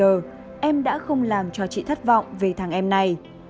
tất cả cuộc sống hiện tại em bây giờ em đã không làm cho chị thất vọng về thằng em này